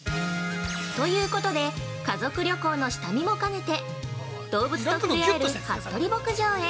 ◆ということで家族旅行の下見も兼ねて動物と触れ合える服部牧場へ！